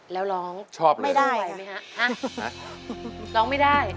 แล้วร้องไม่ได้ไหมฮะร้องไม่ได้